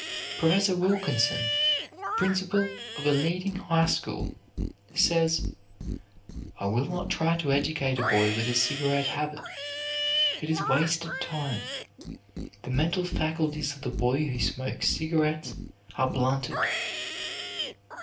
Professor Wilkinson, principal of a leading high school, says, "I will not try to educate a boy with the cigarette habit. It is wasted time. The mental faculties of the boy who smokes cigarettes are blunted."